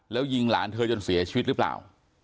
แล้วยิงหลานเธอจนเสียชีวิตหรือเปล่า